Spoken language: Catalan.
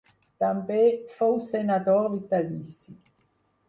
També fou senador vitalici.